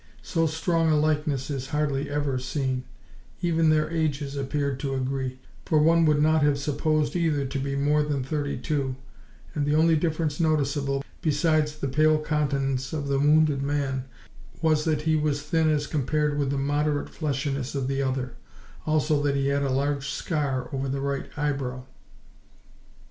So strong a likeness is hardly ever seen; even their ages appeared to agree, for one would not have supposed either to be more than thirty two; and the only difference noticeable, besides the pale countenance of the wounded man, was that he was thin as compared with the moderate fleshiness of the other, also that he had a large scar over the right eyebrow.